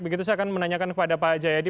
begitu saya akan menanyakan kepada pak jayadi